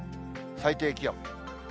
最低気温。